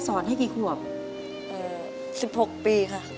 สิบหกปีค่ะ